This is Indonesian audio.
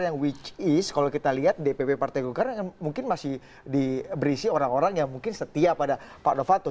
yang which is kalau kita lihat dpp partai golkar yang mungkin masih diberisi orang orang yang mungkin setia pada pak novanto